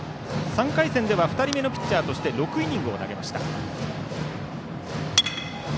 ３回戦では２人目のピッチャーとして６イニング投げました。